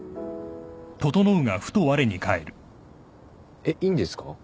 えっいいんですか？